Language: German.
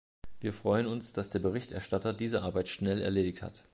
Wir freuen uns, dass der Berichterstatter diese Arbeit schnell erledigt hat.